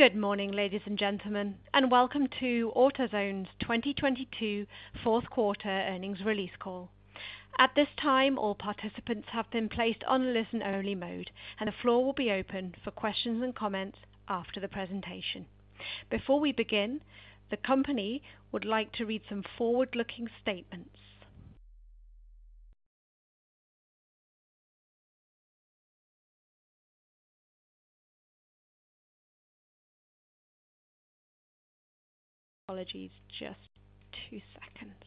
Good morning, ladies and gentlemen, and welcome to AutoZone's 2022 fourth quarter earnings release call. At this time, all participants have been placed on listen-only mode, and the floor will be open for questions and comments after the presentation. Before we begin, the company would like to read some forward-looking statements. Apologies. Just two seconds.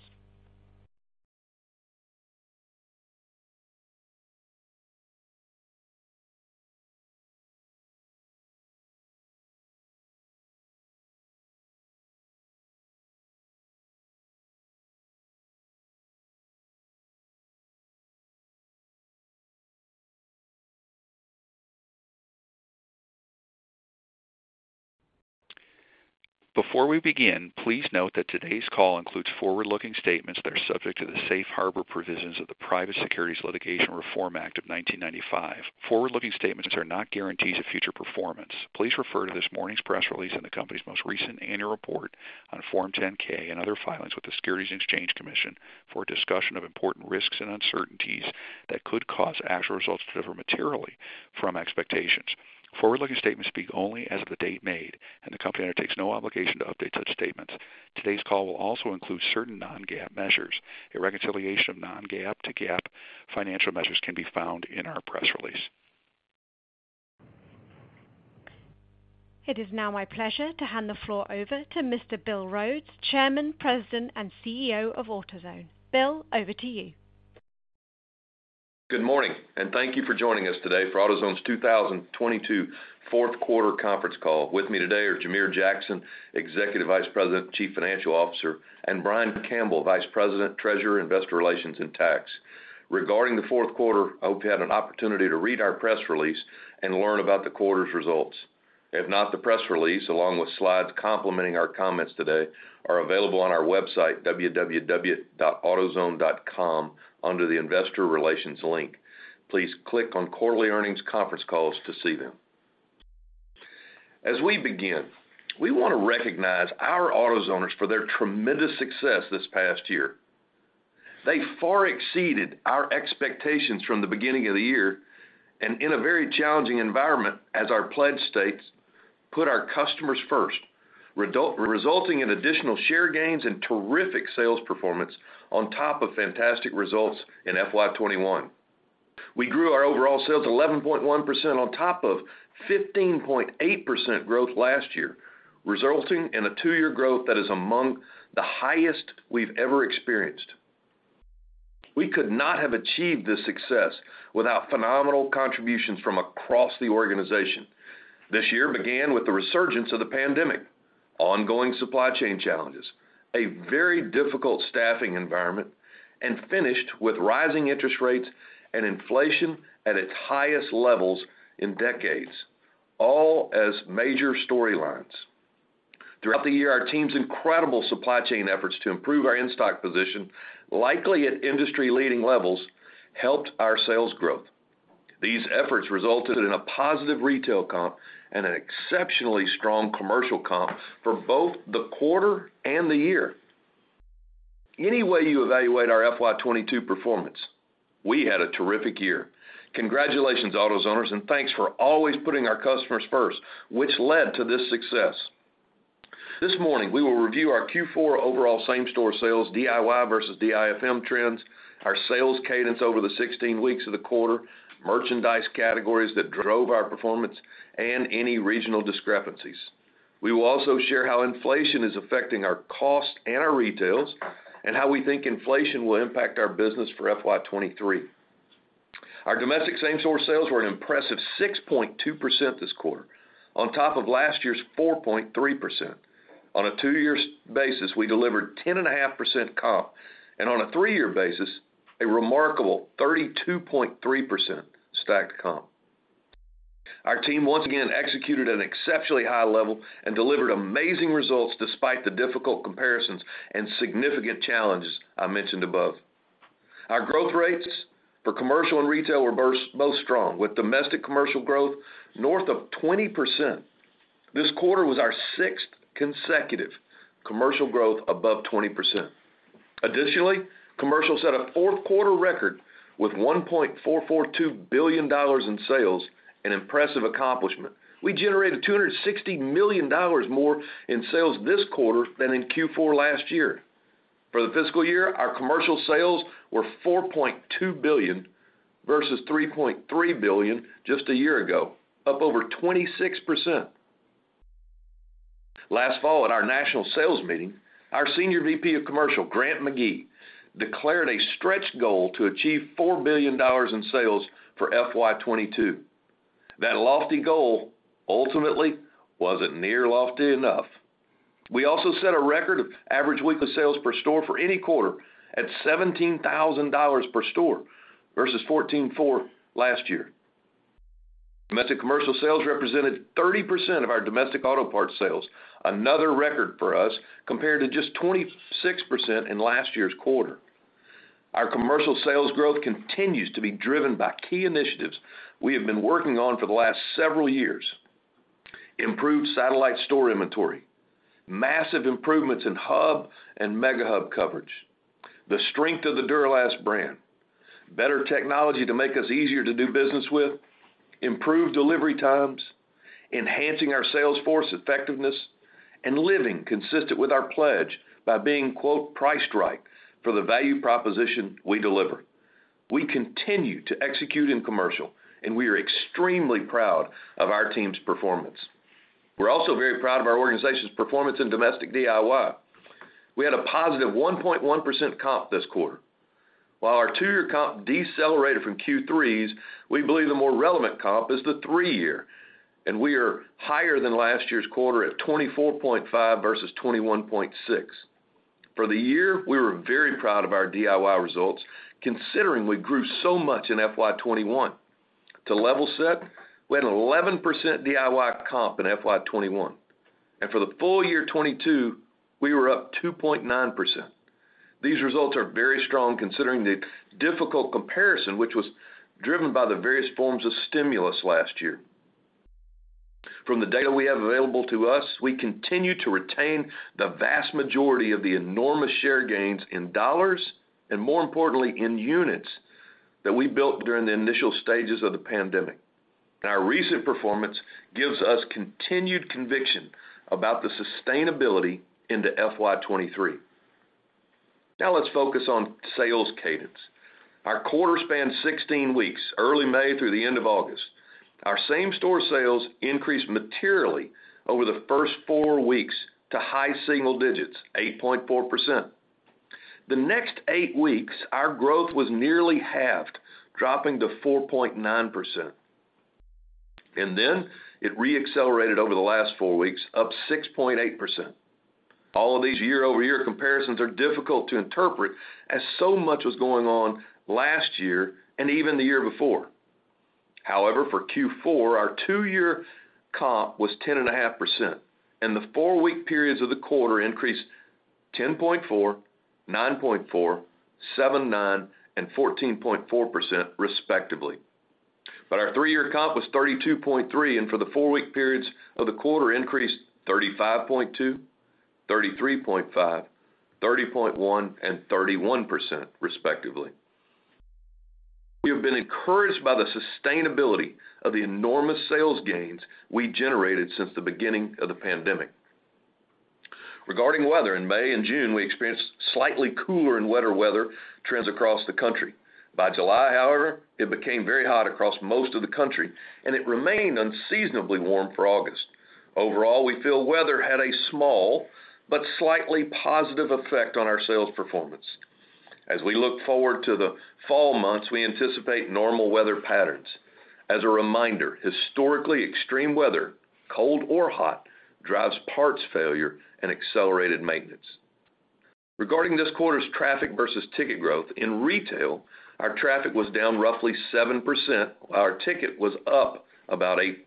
Before we begin, please note that today's call includes forward-looking statements that are subject to the safe harbor provisions of the Private Securities Litigation Reform Act of 1995. Forward-looking statements are not guarantees of future performance. Please refer to this morning's press release in the company's most recent Annual Report on Form 10-K and other filings with the Securities and Exchange Commission for a discussion of important risks and uncertainties that could cause actual results to differ materially from expectations. Forward-looking statements speak only as of the date made, and the company undertakes no obligation to update such statements. Today's call will also include certain non-GAAP measures. A reconciliation of non-GAAP to GAAP financial measures can be found in our press release. It is now my pleasure to hand the floor over to Mr. Bill Rhodes, Chairman, President, and CEO of AutoZone. Bill, over to you. Good morning, and thank you for joining us today for AutoZone's 2022 fourth quarter conference call. With me today are Jamere Jackson, Executive Vice President, Chief Financial Officer, and Brian Campbell, Vice President, Treasurer, Investor Relations, and Tax. Regarding the fourth quarter, I hope you had an opportunity to read our press release and learn about the quarter's results. If not, the press release, along with slides complementing our comments today, are available on our website, www.autozone.com, under the Investor Relations link. Please click on Quarterly Earnings Conference Calls to see them. As we begin, we wanna recognize our AutoZoners for their tremendous success this past year. They far exceeded our expectations from the beginning of the year and in a very challenging environment, as our pledge states, put our customers first, resulting in additional share gains and terrific sales performance on top of fantastic results in FY 2021. We grew our overall sales 11.1% on top of 15.8% growth last year, resulting in a two-year growth that is among the highest we've ever experienced. We could not have achieved this success without phenomenal contributions from across the organization. This year began with the resurgence of the pandemic, ongoing supply chain challenges, a very difficult staffing environment, and finished with rising interest rates and inflation at its highest levels in decades, all as major storylines. Throughout the year, our team's incredible supply chain efforts to improve our in-stock position, likely at industry-leading levels, helped our sales growth. These efforts resulted in a positive retail comp and an exceptionally strong commercial comp for both the quarter and the year. Any way you evaluate our FY 2022 performance, we had a terrific year. Congratulations, AutoZoners, and thanks for always putting our customers first, which led to this success. This morning, we will review our Q4 overall same-store sales, DIY versus DIFM trends, our sales cadence over the 16 weeks of the quarter, merchandise categories that drove our performance, and any regional discrepancies. We will also share how inflation is affecting our cost and our retails and how we think inflation will impact our business for FY 2023. Our domestic same-store sales were an impressive 6.2% this quarter on top of last year's 4.3%. On a two-year basis, we delivered 10.5% comp and on a three-year basis, a remarkable 32.3% stacked comp. Our team once again executed an exceptionally high level and delivered amazing results despite the difficult comparisons and significant challenges I mentioned above. Our growth rates for commercial and retail were both strong, with domestic commercial growth north of 20%. This quarter was our sixth consecutive commercial growth above 20%. Additionally, commercial set a fourth quarter record with $1.442 billion in sales, an impressive accomplishment. We generated $260 million more in sales this quarter than in Q4 last year. For the fiscal year, our commercial sales were $4.2 billion versus $3.3 billion just a year ago, up over 26%. Last fall at our national sales meeting, our Senior VP of Commercial, Grant McGee, declared a stretch goal to achieve $4 billion in sales for FY 2022. That lofty goal ultimately wasn't near lofty enough. We also set a record of average weekly sales per store for any quarter at $17,000 per store versus $14,400 last year. Domestic commercial sales represented 30% of our domestic auto parts sales, another record for us, compared to just 26% in last year's quarter. Our commercial sales growth continues to be driven by key initiatives we have been working on for the last several years. Improved satellite store inventory, massive improvements in hub and Mega Hub coverage, the strength of the Duralast brand, better technology to make us easier to do business with, improved delivery times, enhancing our sales force effectiveness and living consistent with our pledge by being quote, "priced right" for the value proposition we deliver. We continue to execute in commercial, and we are extremely proud of our team's performance. We're also very proud of our organization's performance in domestic DIY. We had a positive 1.1% comp this quarter. While our two-year comp decelerated from Q3's, we believe the more relevant comp is the three-year, and we are higher than last year's quarter at 24.5% versus 21.6%. For the year, we were very proud of our DIY results, considering we grew so much in FY 2021. To level set, we had an 11% DIY comp in FY 2021. For the full year 2022, we were up 2.9%. These results are very strong considering the difficult comparison, which was driven by the various forms of stimulus last year. From the data we have available to us, we continue to retain the vast majority of the enormous share gains in dollars and more importantly, in units that we built during the initial stages of the pandemic. Our recent performance gives us continued conviction about the sustainability into FY 2023. Now let's focus on sales cadence. Our quarter spanned 16 weeks, early May through the end of August. Our same-store sales increased materially over the first four weeks to high single digits, 8.4%. The next eight weeks, our growth was nearly halved, dropping to 4.9%. It re-accelerated over the last four weeks, up 6.8%. All of these year-over-year comparisons are difficult to interpret as so much was going on last year and even the year before. However, for Q4, our two-year comp was 10.5%, and the four-week periods of the quarter increased 10.4%, 9.4%, 7.9%, and 14.4% respectively. Our three-year comp was 32.3, and for the four-week periods of the quarter increased 35.2%, 33.5%, 30.1% and 31% respectively. We have been encouraged by the sustainability of the enormous sales gains we generated since the beginning of the pandemic. Regarding weather, in May and June, we experienced slightly cooler and wetter weather trends across the country. By July, however, it became very hot across most of the country, and it remained unseasonably warm for August. Overall, we feel weather had a small but slightly positive effect on our sales performance. As we look forward to the fall months, we anticipate normal weather patterns. As a reminder, historically extreme weather, cold or hot, drives parts failure and accelerated maintenance. Regarding this quarter's traffic versus ticket growth, in retail, our traffic was down roughly 7%. Our ticket was up about 8%.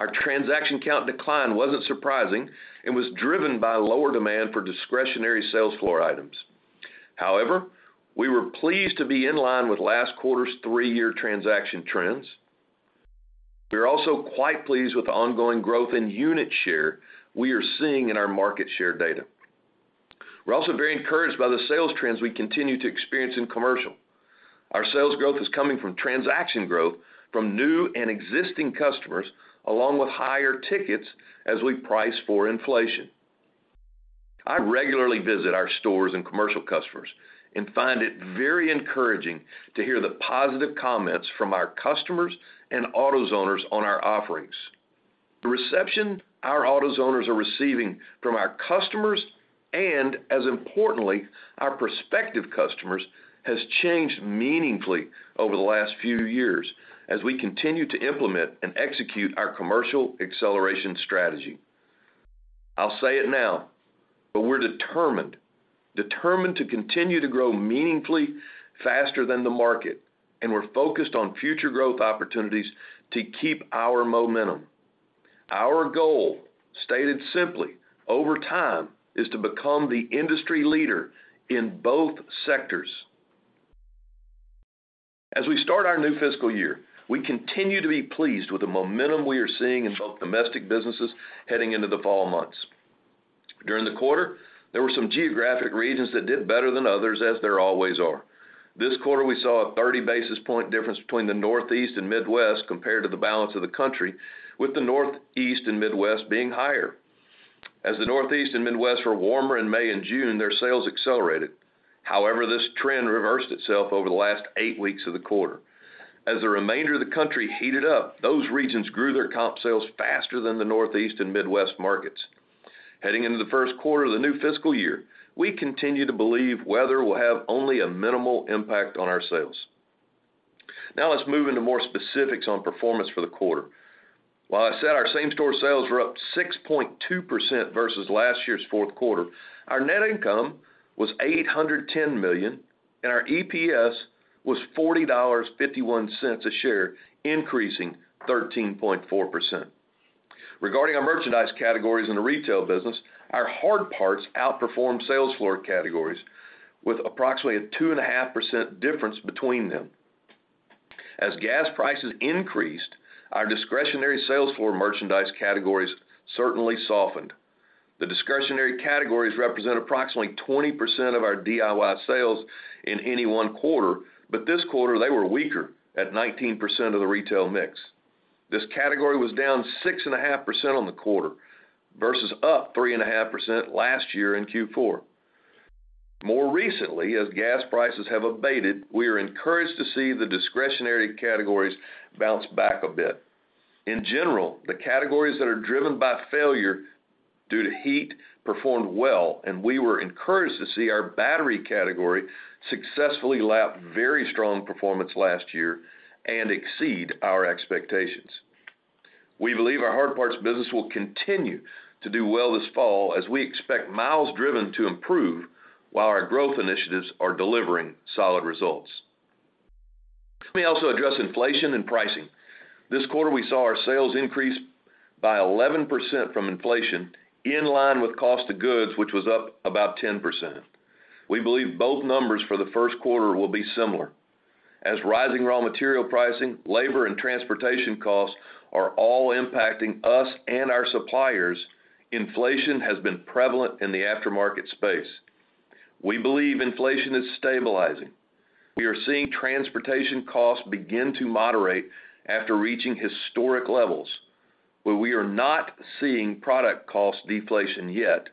Our transaction count decline wasn't surprising and was driven by lower demand for discretionary sales floor items. However, we were pleased to be in line with last quarter's three-year transaction trends. We are also quite pleased with the ongoing growth in unit share we are seeing in our market share data. We're also very encouraged by the sales trends we continue to experience in commercial. Our sales growth is coming from transaction growth from new and existing customers, along with higher tickets as we price for inflation. I regularly visit our stores and commercial customers and find it very encouraging to hear the positive comments from our customers and AutoZoners on our offerings. The reception our AutoZoners are receiving from our customers and, as importantly, our prospective customers, has changed meaningfully over the last few years as we continue to implement and execute our commercial acceleration strategy. I'll say it now, but we're determined to continue to grow meaningfully faster than the market, and we're focused on future growth opportunities to keep our momentum. Our goal, stated simply over time, is to become the industry leader in both sectors. As we start our new fiscal year, we continue to be pleased with the momentum we are seeing in both domestic businesses heading into the fall months. During the quarter, there were some geographic regions that did better than others, as there always are. This quarter, we saw a 30 basis point difference between the Northeast and Midwest compared to the balance of the country, with the Northeast and Midwest being higher. As the Northeast and Midwest were warmer in May and June, their sales accelerated. However, this trend reversed itself over the last eight weeks of the quarter. As the remainder of the country heated up, those regions grew their comp sales faster than the Northeast and Midwest markets. Heading into the first quarter of the new fiscal year, we continue to believe weather will have only a minimal impact on our sales. Now let's move into more specifics on performance for the quarter. While I said our same-store sales were up 6.2% versus last year's fourth quarter, our net income was $810 million, and our EPS was $40.51 a share, increasing 13.4%. Regarding our merchandise categories in the retail business, our hard parts outperformed sales floor categories with approximately a 2.5% difference between them. As gas prices increased, our discretionary sales floor merchandise categories certainly softened. The discretionary categories represent approximately 20% of our DIY sales in any one quarter, but this quarter they were weaker at 19% of the retail mix. This category was down 6.5% on the quarter versus up 3.5% last year in Q4. More recently, as gas prices have abated, we are encouraged to see the discretionary categories bounce back a bit. In general, the categories that are driven by failure due to heat performed well, and we were encouraged to see our battery category successfully lap very strong performance last year and exceed our expectations. We believe our hard parts business will continue to do well this fall as we expect miles driven to improve while our growth initiatives are delivering solid results. Let me also address inflation and pricing. This quarter, we saw our sales increase by 11% from inflation in line with cost of goods, which was up about 10%. We believe both numbers for the first quarter will be similar. As rising raw material pricing, labor and transportation costs are all impacting us and our suppliers, inflation has been prevalent in the aftermarket space. We believe inflation is stabilizing. We are seeing transportation costs begin to moderate after reaching historic levels, but we are not seeing product cost deflation yet,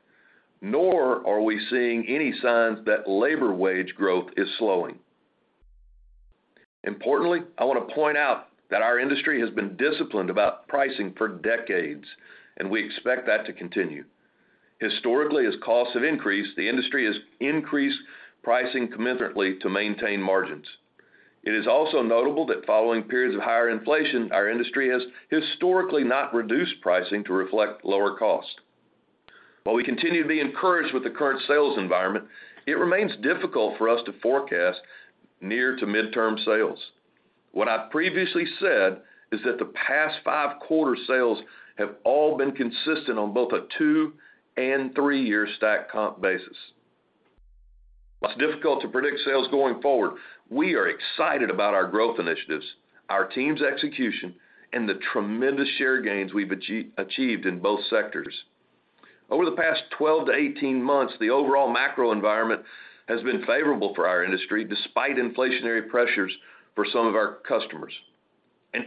nor are we seeing any signs that labor wage growth is slowing. Importantly, I want to point out that our industry has been disciplined about pricing for decades, and we expect that to continue. Historically, as costs have increased, the industry has increased pricing commensurately to maintain margins. It is also notable that following periods of higher inflation, our industry has historically not reduced pricing to reflect lower cost. While we continue to be encouraged with the current sales environment, it remains difficult for us to forecast near- to midterm sales. What I previously said is that the past five-quarter sales have all been consistent on both a two and three-year stack comp basis. While it's difficult to predict sales going forward, we are excited about our growth initiatives, our team's execution, and the tremendous share gains we've achieved in both sectors. Over the past 12-18 months, the overall macro environment has been favorable for our industry despite inflationary pressures for some of our customers.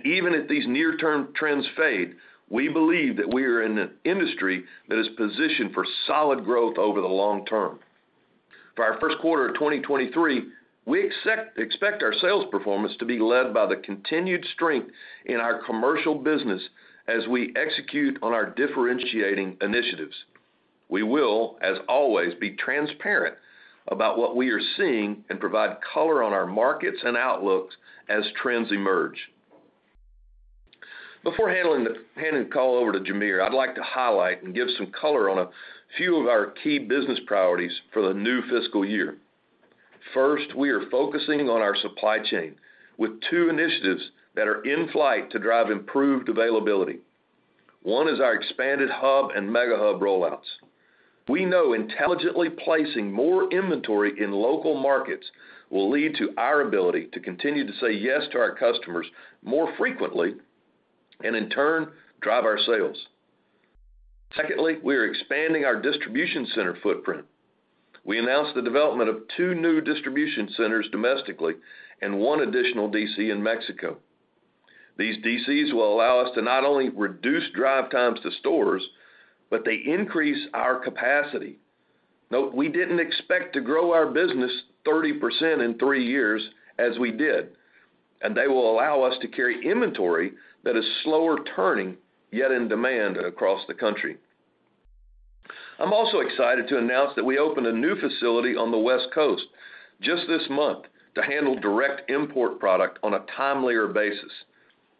Even if these near-term trends fade, we believe that we are in an industry that is positioned for solid growth over the long term. For our first quarter of 2023, we expect our sales performance to be led by the continued strength in our commercial business as we execute on our differentiating initiatives. We will, as always, be transparent about what we are seeing and provide color on our markets and outlooks as trends emerge. Before handing the call over to Jamere, I'd like to highlight and give some color on a few of our key business priorities for the new fiscal year. First, we are focusing on our supply chain with two initiatives that are in flight to drive improved availability. One is our expanded hub and Mega Hub rollouts. We know intelligently placing more inventory in local markets will lead to our ability to continue to say yes to our customers more frequently and in turn, drive our sales. Secondly, we are expanding our distribution center footprint. We announced the development of two new distribution centers domestically and one additional DC in Mexico. These DCs will allow us to not only reduce drive times to stores, but they increase our capacity, though we didn't expect to grow our business 30% in three years as we did, and they will allow us to carry inventory that is slower turning yet in demand across the country. I'm also excited to announce that we opened a new facility on the West Coast just this month to handle direct import product on a timelier basis.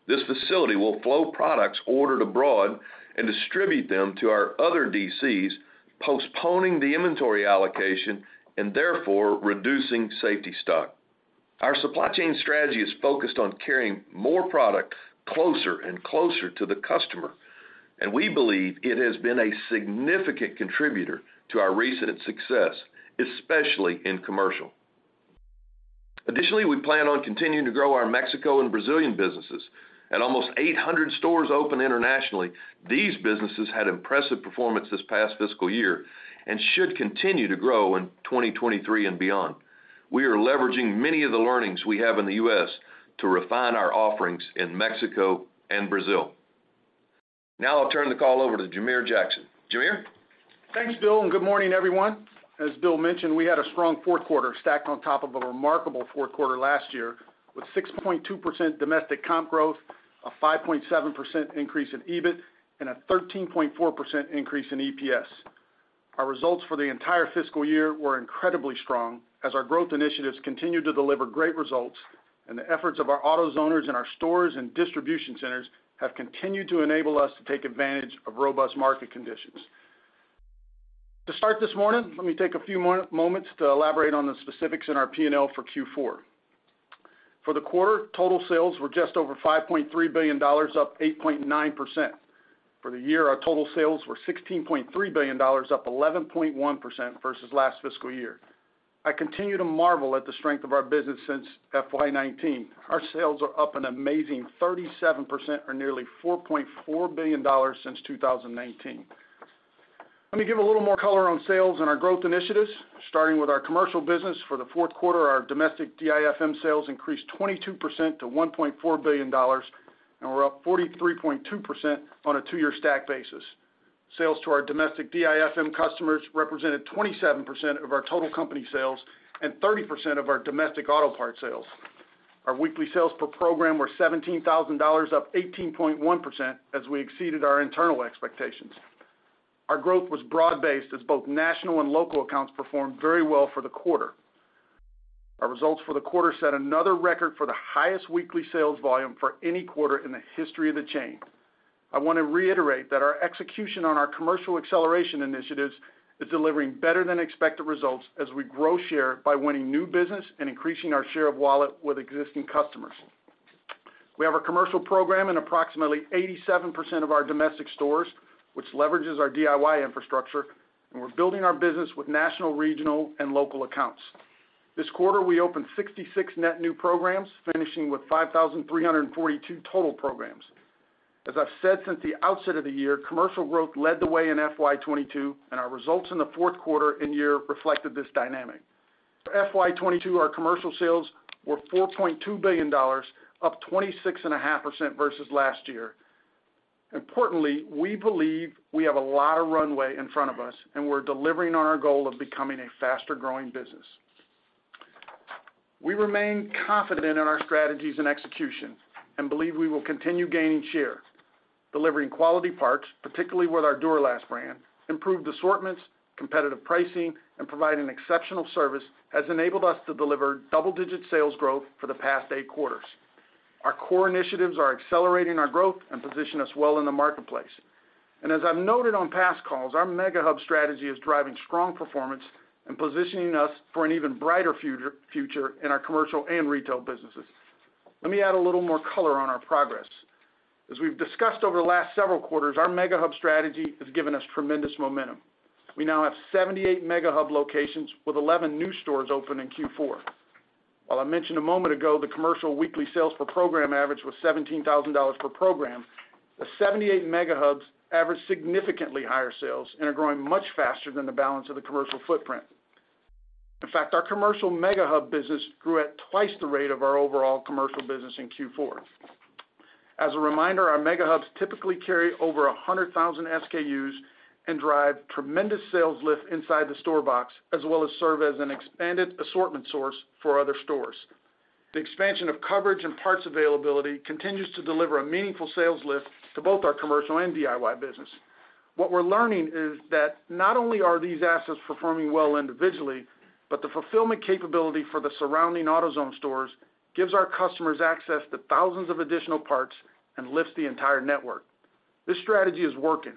This facility will flow products ordered abroad and distribute them to our other DCs, postponing the inventory allocation and therefore reducing safety stock. Our supply chain strategy is focused on carrying more product closer and closer to the customer, and we believe it has been a significant contributor to our recent success, especially in commercial. Additionally, we plan on continuing to grow our Mexico and Brazilian businesses. At almost 800 stores open internationally, these businesses had impressive performance this past fiscal year and should continue to grow in 2023 and beyond. We are leveraging many of the learnings we have in the U.S. to refine our offerings in Mexico and Brazil. Now I'll turn the call over to Jamere Jackson. Jamere? Thanks, Bill, and good morning, everyone. As Bill mentioned, we had a strong fourth quarter stacked on top of a remarkable fourth quarter last year with 6.2% domestic comp growth, a 5.7% increase in EBIT, and a 13.4% increase in EPS. Our results for the entire fiscal year were incredibly strong as our growth initiatives continued to deliver great results, and the efforts of our AutoZoners in our stores and distribution centers have continued to enable us to take advantage of robust market conditions. To start this morning, let me take a few moments to elaborate on the specifics in our P&L for Q4. For the quarter, total sales were just over $5.3 billion, up 8.9%. For the year, our total sales were $16.3 billion, up 11.1% versus last fiscal year. I continue to marvel at the strength of our business since FY 2019. Our sales are up an amazing 37% or nearly $4.4 billion since 2019. Let me give a little more color on sales and our growth initiatives, starting with our commercial business. For the fourth quarter, our domestic DIFM sales increased 22% to $1.4 billion, and we're up 43.2% on a two-year stack basis. Sales to our domestic DIFM customers represented 27% of our total company sales and 30% of our domestic auto part sales. Our weekly sales per program were $17,000, up 18.1% as we exceeded our internal expectations. Our growth was broad-based as both national and local accounts performed very well for the quarter. Our results for the quarter set another record for the highest weekly sales volume for any quarter in the history of the chain. I wanna reiterate that our execution on our commercial acceleration initiatives is delivering better than expected results as we grow share by winning new business and increasing our share of wallet with existing customers. We have a commercial program in approximately 87% of our domestic stores, which leverages our DIY infrastructure, and we're building our business with national, regional, and local accounts. This quarter, we opened 66 net new programs, finishing with 5,342 total programs. As I've said since the outset of the year, commercial growth led the way in FY 2022, and our results in the fourth quarter and year reflected this dynamic. For FY 2022, our commercial sales were $4.2 billion, up 26.5% versus last year. Importantly, we believe we have a lot of runway in front of us, and we're delivering on our goal of becoming a faster-growing business. We remain confident in our strategies and execution and believe we will continue gaining share. Delivering quality parts, particularly with our Duralast brand, improved assortments, competitive pricing, and providing exceptional service has enabled us to deliver double-digit sales growth for the past eight quarters. Our core initiatives are accelerating our growth and position us well in the marketplace. As I've noted on past calls, our Mega Hub strategy is driving strong performance and positioning us for an even brighter future in our commercial and retail businesses. Let me add a little more color on our progress. As we've discussed over the last several quarters, our Mega Hub strategy has given us tremendous momentum. We now have 78 Mega Hub locations with 11 new stores open in Q4. While I mentioned a moment ago, the commercial weekly sales per program average was $17,000 per program, the 78 Mega Hubs average significantly higher sales and are growing much faster than the balance of the commercial footprint. In fact, our commercial Mega Hub business grew at twice the rate of our overall commercial business in Q4. As a reminder, our Mega Hubs typically carry over 100,000 SKUs and drive tremendous sales lift inside the store box, as well as serve as an expanded assortment source for other stores. The expansion of coverage and parts availability continues to deliver a meaningful sales lift to both our commercial and DIY business. What we're learning is that not only are these assets performing well individually, but the fulfillment capability for the surrounding AutoZone stores gives our customers access to thousands of additional parts and lifts the entire network. This strategy is working.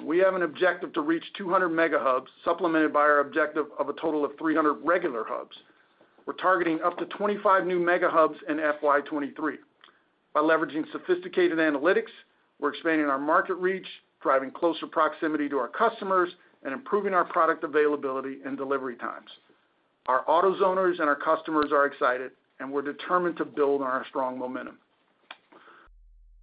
We have an objective to reach 200 Mega Hubs, supplemented by our objective of a total of 300 regular hubs. We're targeting up to 25 new Mega Hubs in FY 2023. By leveraging sophisticated analytics, we're expanding our market reach, driving closer proximity to our customers, and improving our product availability and delivery times. Our AutoZoners and our customers are excited, and we're determined to build on our strong momentum.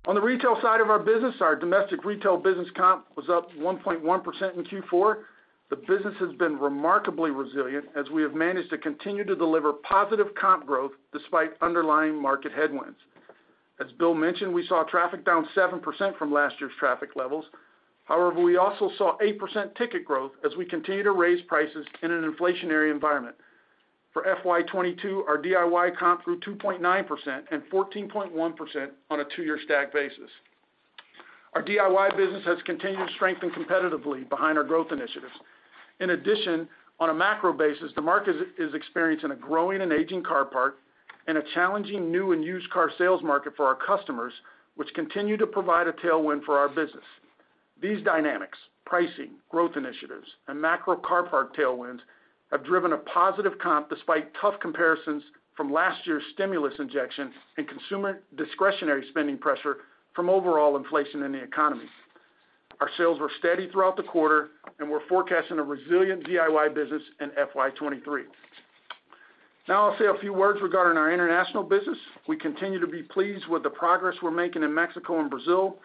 On the retail side of our business, our domestic retail business comp was up 1.1% in Q4. The business has been remarkably resilient as we have managed to continue to deliver positive comp growth despite underlying market headwinds. As Bill mentioned, we saw traffic down 7% from last year's traffic levels. However, we also saw 8% ticket growth as we continue to raise prices in an inflationary environment. For FY 2022, our DIY comp grew 2.9% and 14.1% on a two-year stack basis. Our DIY business has continued to strengthen competitively behind our growth initiatives. In addition, on a macro basis, the market is experiencing a growing and aging car parc and a challenging new and used car sales market for our customers, which continue to provide a tailwind for our business. These dynamics, pricing, growth initiatives, and macro car park tailwinds have driven a positive comp despite tough comparisons from last year's stimulus injection and consumer discretionary spending pressure from overall inflation in the economy. Our sales were steady throughout the quarter, and we're forecasting a resilient DIY business in FY 2023. Now I'll say a few words regarding our international business. We continue to be pleased with the progress we're making in Mexico and Brazil.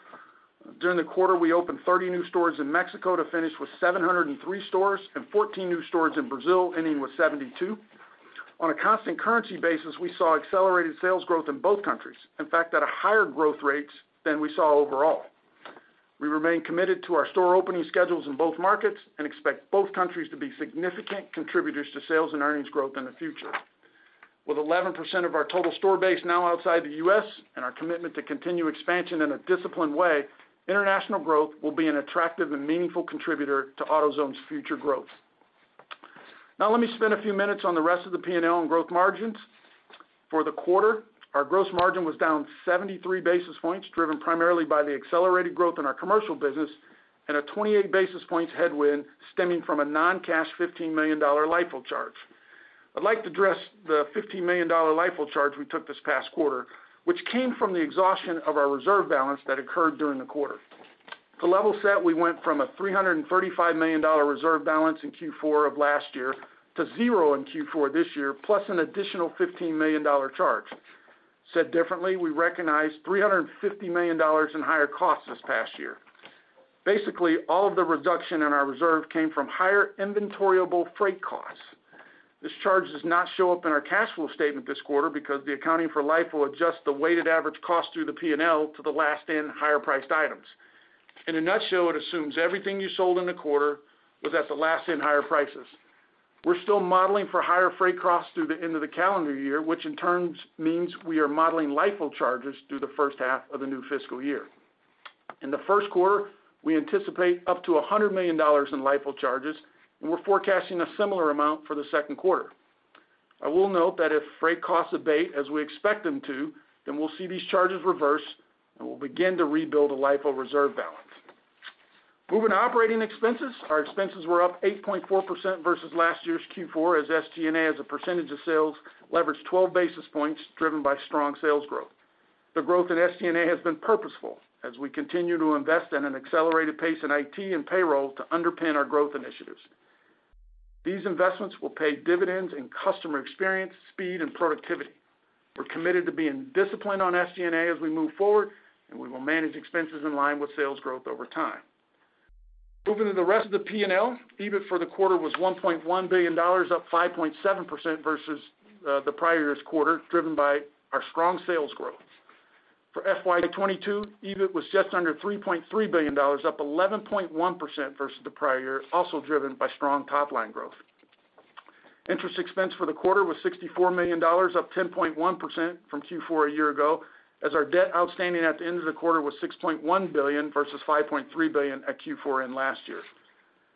During the quarter, we opened 30 new stores in Mexico to finish with 703 stores and 14 new stores in Brazil, ending with 72. On a constant currency basis, we saw accelerated sales growth in both countries. In fact, at higher growth rates than we saw overall. We remain committed to our store opening schedules in both markets and expect both countries to be significant contributors to sales and earnings growth in the future. With 11% of our total store base now outside the U.S. and our commitment to continue expansion in a disciplined way, international growth will be an attractive and meaningful contributor to AutoZone's future growth. Now let me spend a few minutes on the rest of the P&L and gross margins. For the quarter, our gross margin was down 73 basis points, driven primarily by the accelerated growth in our commercial business and a 28 basis points headwind stemming from a non-cash $15 million LIFO charge. I'd like to address the $15 million LIFO charge we took this past quarter, which came from the exhaustion of our reserve balance that occurred during the quarter. To level set, we went from a $335 million reserve balance in Q4 of last year to zero in Q4 this year, plus an additional $15 million charge. Said differently, we recognized $350 million in higher costs this past year. Basically, all of the reduction in our reserve came from higher inventoriable freight costs. This charge does not show up in our cash flow statement this quarter because the accounting for LIFO adjusts the weighted average cost through the P&L to the last in higher priced items. In a nutshell, it assumes everything you sold in the quarter was at the last in higher prices. We're still modeling for higher freight costs through the end of the calendar year, which in turn means we are modeling LIFO charges through the first half of the new fiscal year. In the first quarter, we anticipate up to $100 million in LIFO charges, and we're forecasting a similar amount for the second quarter. I will note that if freight costs abate as we expect them to, then we'll see these charges reverse and we'll begin to rebuild a LIFO reserve balance. Moving to operating expenses. Our expenses were up 8.4% versus last year's Q4, as SG&A as a percentage of sales leveraged 12 basis points driven by strong sales growth. The growth in SG&A has been purposeful as we continue to invest at an accelerated pace in IT and payroll to underpin our growth initiatives. These investments will pay dividends in customer experience, speed and productivity. We're committed to being disciplined on SG&A as we move forward, and we will manage expenses in line with sales growth over time. Moving to the rest of the P&L, EBIT for the quarter was $1.1 billion, up 5.7% versus the prior year's quarter, driven by our strong sales growth. For FY 2022, EBIT was just under $3.3 billion, up 11.1% versus the prior year, also driven by strong top line growth. Interest expense for the quarter was $64 million, up 10.1% from Q4 a year ago as our debt outstanding at the end of the quarter was $6.1 billion versus $5.3 billion at Q4 in last year.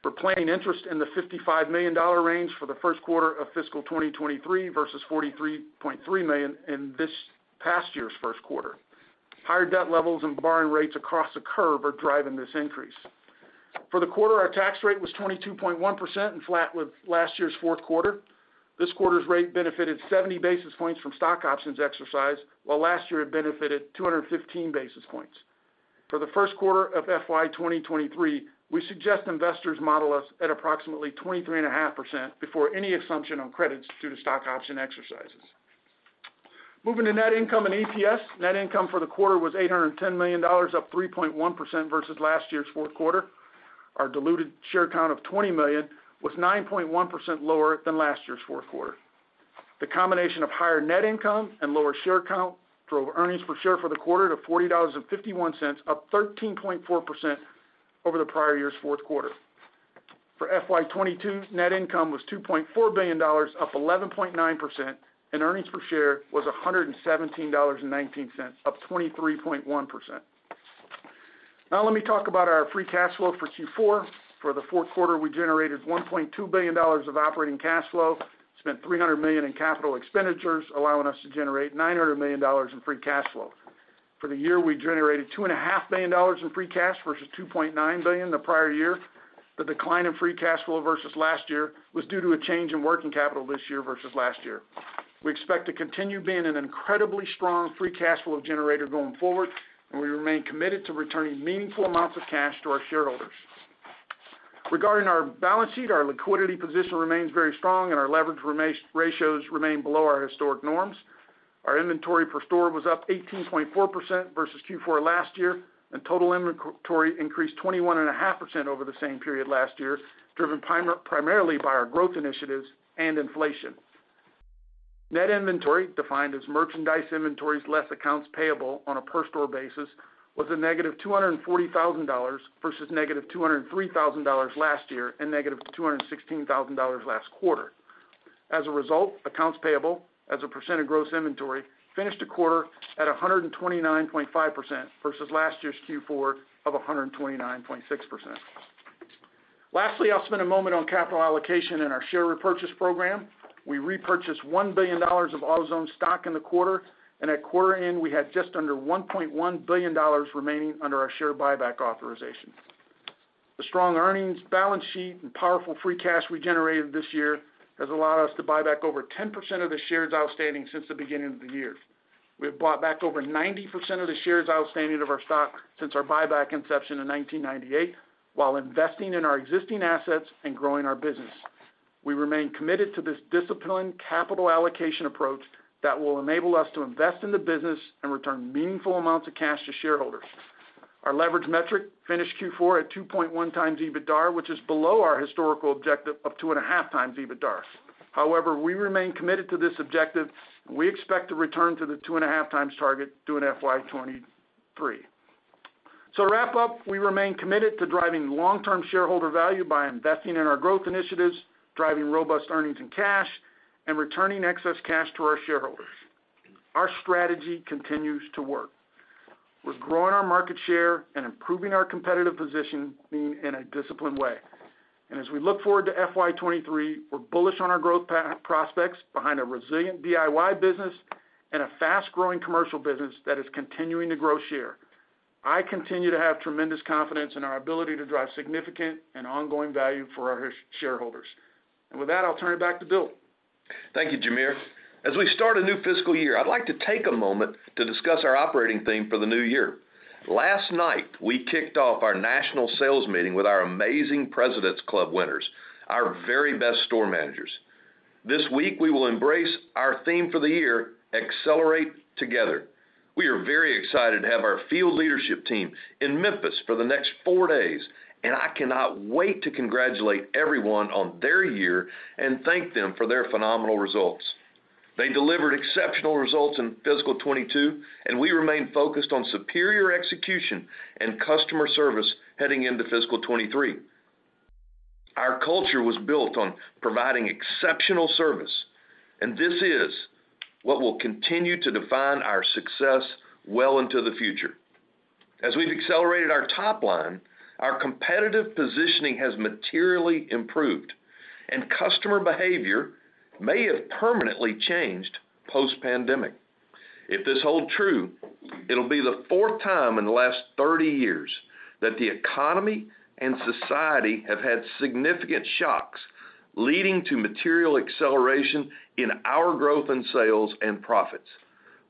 We're planning interest in the $55 million range for the first quarter of fiscal 2023 versus $43.3 million in this past year's first quarter. Higher debt levels and borrowing rates across the curve are driving this increase. For the quarter, our tax rate was 22.1% and flat with last year's fourth quarter. This quarter's rate benefited 70 basis points from stock options exercised, while last year it benefited 215 basis points. For the first quarter of FY 2023, we suggest investors model us at approximately 23.5% before any assumption on credits due to stock option exercises. Moving to net income and EPS. Net income for the quarter was $810 million, up 3.1% versus last year's fourth quarter. Our diluted share count of 20 million was 9.1% lower than last year's fourth quarter. The combination of higher net income and lower share count drove earnings per share for the quarter to $40.51, up 13.4% over the prior year's fourth quarter. For FY 2022, net income was $2.4 billion, up 11.9%, and EPS was $117.19, up 23.1%. Now let me talk about our free cash flow for Q4. For the fourth quarter, we generated $1.2 billion of operating cash flow, spent $300 million in capital expenditures, allowing us to generate $900 million in free cash flow. For the year, we generated $2.5 billion in free cash versus $2.9 billion the prior year. The decline in free cash flow versus last year was due to a change in working capital this year versus last year. We expect to continue being an incredibly strong free cash flow generator going forward, and we remain committed to returning meaningful amounts of cash to our shareholders. Regarding our balance sheet, our liquidity position remains very strong and our leverage ratios remain below our historic norms. Our inventory per store was up 18.4% versus Q4 last year, and total inventory increased 21.5% over the same period last year, driven primarily by our growth initiatives and inflation. Net inventory, defined as merchandise inventories less accounts payable on a per store basis, was -$240,000 versus -$203,000 last year and -$216,000 last quarter. As a result, accounts payable as a percent of gross inventory finished the quarter at 129.5% versus last year's Q4 of 129.6%. Lastly, I'll spend a moment on capital allocation and our share repurchase program. We repurchased $1 billion of AutoZone stock in the quarter, and at quarter end we had just under $1.1 billion remaining under our share buyback authorization. The strong earnings, balance sheet and powerful free cash we generated this year has allowed us to buy back over 10% of the shares outstanding since the beginning of the year. We have bought back over 90% of the shares outstanding of our stock since our buyback inception in 1998 while investing in our existing assets and growing our business. We remain committed to this disciplined capital allocation approach that will enable us to invest in the business and return meaningful amounts of cash to shareholders. Our leverage metric finished Q4 at 2.1x EBITDAR, which is below our historical objective of 2.5x EBITDAR. However, we remain committed to this objective, and we expect to return to the 2.5x target during FY 2023. To wrap up, we remain committed to driving long-term shareholder value by investing in our growth initiatives, driving robust earnings and cash, and returning excess cash to our shareholders. Our strategy continues to work. We're growing our market share and improving our competitive position in a disciplined way. As we look forward to FY 2023, we're bullish on our growth prospects behind a resilient DIY business and a fast-growing commercial business that is continuing to grow share. I continue to have tremendous confidence in our ability to drive significant and ongoing value for our shareholders. With that, I'll turn it back to Bill. Thank you, Jamere. As we start a new fiscal year, I'd like to take a moment to discuss our operating theme for the new year. Last night, we kicked off our national sales meeting with our amazing President's Club winners, our very best store managers. This week, we will embrace our theme for the year, accelerate together. We are very excited to have our field leadership team in Memphis for the next four days, and I cannot wait to congratulate everyone on their year and thank them for their phenomenal results. They delivered exceptional results in fiscal 2022, and we remain focused on superior execution and customer service heading into fiscal 2023. Our culture was built on providing exceptional service, and this is what will continue to define our success well into the future. As we've accelerated our top line, our competitive positioning has materially improved, and customer behavior may have permanently changed post-pandemic. If this hold true, it'll be the fourth time in the last 30 years that the economy and society have had significant shocks leading to material acceleration in our growth in sales and profits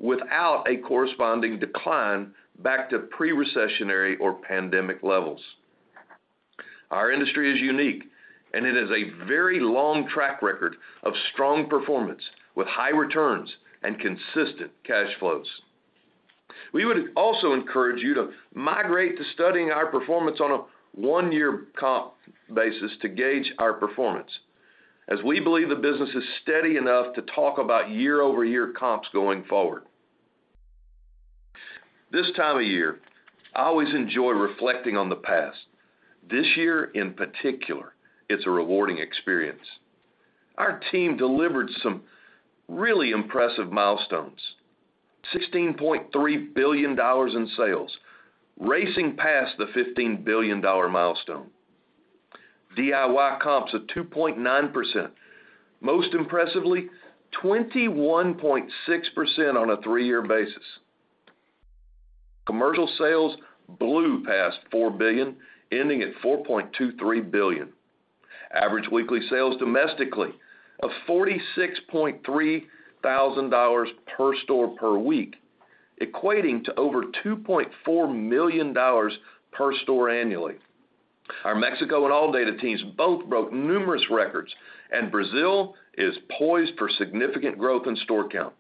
without a corresponding decline back to pre-recessionary or pandemic levels. Our industry is unique, and it has a very long track record of strong performance with high returns and consistent cash flows. We would also encourage you to migrate to studying our performance on a one-year comp basis to gauge our performance, as we believe the business is steady enough to talk about year-over-year comps going forward. This time of year, I always enjoy reflecting on the past. This year in particular, it's a rewarding experience. Our team delivered some really impressive milestones. $16.3 billion in sales, racing past the $15 billion milestone. DIY comps of 2.9%, most impressively, 21.6% on a three-year basis. Commercial sales blew past $4 billion, ending at $4.23 billion. Average weekly sales domestically of $46,300 per store per week, equating to over $2.4 million per store annually. Our Mexico and ALLDATA teams both broke numerous records, and Brazil is poised for significant growth in store count.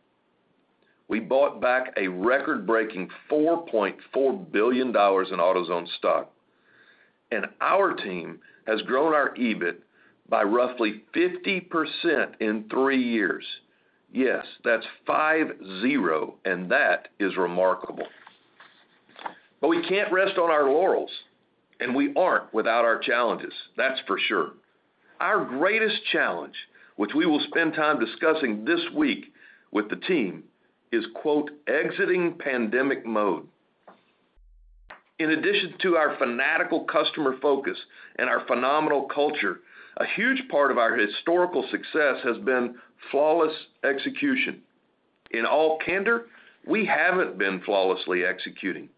We bought back a record-breaking $4.4 billion in AutoZone stock. Our team has grown our EBIT by roughly 50% in three years. Yes, that's five zero, and that is remarkable. We can't rest on our laurels, and we aren't without our challenges. That's for sure. Our greatest challenge, which we will spend time discussing this week with the team, is "Exiting pandemic mode." In addition to our fanatical customer focus and our phenomenal culture, a huge part of our historical success has been flawless execution. In all candor, we haven't been flawlessly executing.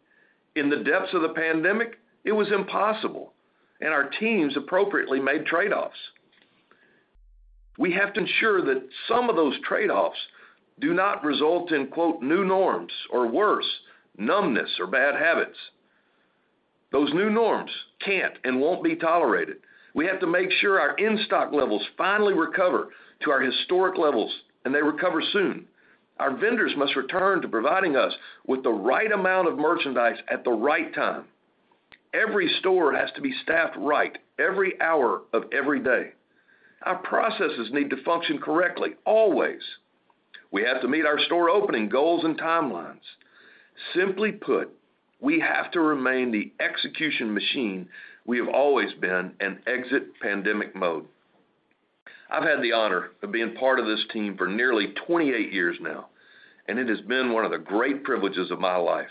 In the depths of the pandemic, it was impossible, and our teams appropriately made trade-offs. We have to ensure that some of those trade-offs do not result in "new norms" or worse, numbness or bad habits. Those new norms can't and won't be tolerated. We have to make sure our in-stock levels finally recover to our historic levels, and they recover soon. Our vendors must return to providing us with the right amount of merchandise at the right time. Every store has to be staffed right every hour of every day. Our processes need to function correctly always. We have to meet our store opening goals and timelines. Simply put, we have to remain the execution machine we have always been and exit pandemic mode. I've had the honor of being part of this team for nearly 28 years now, and it has been one of the great privileges of my life.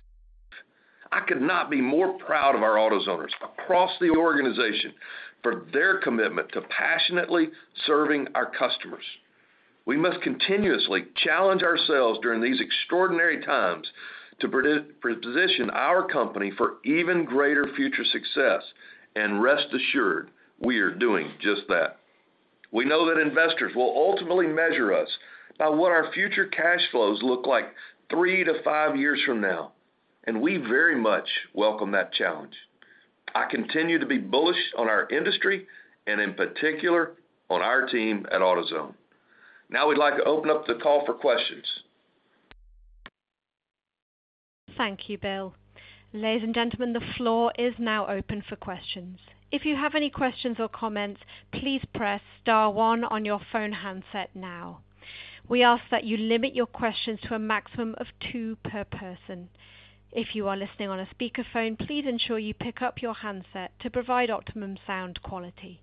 I could not be more proud of our AutoZoners across the organization for their commitment to passionately serving our customers. We must continuously challenge ourselves during these extraordinary times to position our company for even greater future success. Rest assured, we are doing just that. We know that investors will ultimately measure us by what our future cash flows look like three to five years from now, and we very much welcome that challenge. I continue to be bullish on our industry and in particular on our team at AutoZone. Now we'd like to open up the call for questions. Thank you, Bill. Ladies and gentlemen, the floor is now open for questions. If you have any questions or comments, please press star one on your phone handset now. We ask that you limit your questions to a maximum of two per person. If you are listening on a speakerphone, please ensure you pick up your handset to provide optimum sound quality.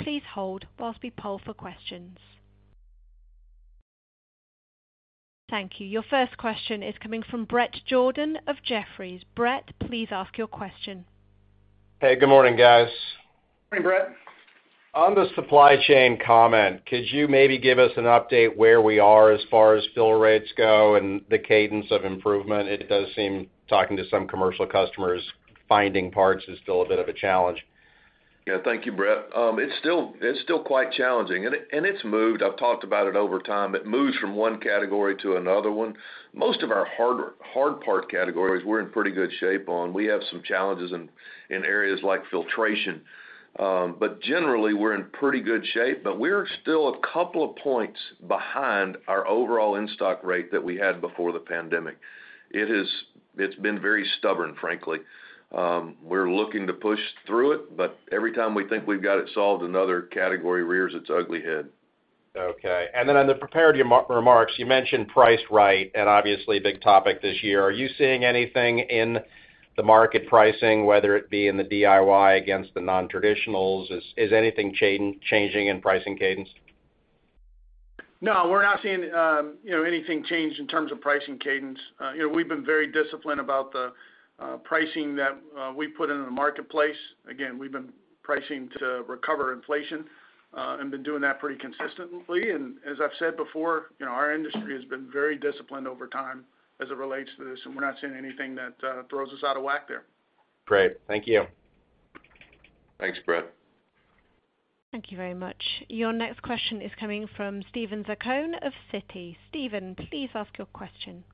Please hold while we poll for questions. Thank you. Your first question is coming from Bret Jordan of Jefferies. Bret, please ask your question. Hey, good morning, guys. Morning, Bret. On the supply chain comment, could you maybe give us an update where we are as far as fill rates go and the cadence of improvement? It does seem, talking to some commercial customers, finding parts is still a bit of a challenge. Yeah. Thank you, Brett. It's still quite challenging, and it's moved. I've talked about it over time. It moves from one category to another one. Most of our hard part categories we're in pretty good shape on. We have some challenges in areas like filtration. But generally, we're in pretty good shape, but we're still a couple of points behind our overall in-stock rate that we had before the pandemic. It's been very stubborn, frankly. We're looking to push through it, but every time we think we've got it solved, another category rears its ugly head. Okay. Then on the prepared remarks, you mentioned pricing right, and obviously, big topic this year. Are you seeing anything in the market pricing, whether it be in the DIY against the non-traditionals? Is anything changing in pricing cadence? No, we're not seeing, you know, anything change in terms of pricing cadence. You know, we've been very disciplined about the pricing that we put in the marketplace. Again, we've been pricing to recover inflation and been doing that pretty consistently. As I've said before, you know, our industry has been very disciplined over time as it relates to this, and we're not seeing anything that throws us out of whack there. Great. Thank you. Thanks, Bret. Thank you very much. Your next question is coming from Steven Zaccone of Citi. Steven, please ask your question.